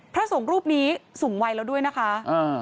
พระสงฆ์รูปนี้สูงวัยแล้วด้วยนะคะอ่า